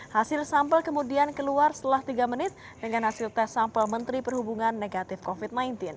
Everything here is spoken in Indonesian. hasil sampel kemudian keluar setelah tiga menit dengan hasil tes sampel menteri perhubungan negatif covid sembilan belas